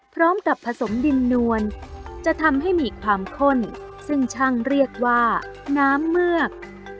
พร้อมกับผสมดินนวลจะทำให้มีความข้นซึ่งช่างเรียกว่าน้ำเมือก